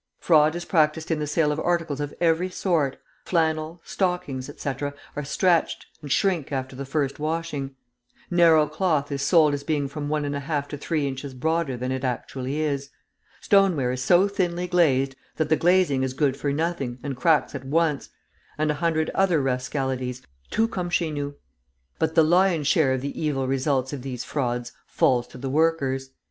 Fraud is practiced in the sale of articles of every sort: flannel, stockings, etc., are stretched, and shrink after the first washing; narrow cloth is sold as being from one and a half to three inches broader than it actually is; stoneware is so thinly glazed that the glazing is good for nothing, and cracks at once, and a hundred other rascalities, tout comme chez nous. But the lion's share of the evil results of these frauds falls to the workers.